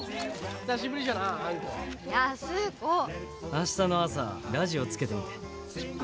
明日の朝ラジオつけてみて。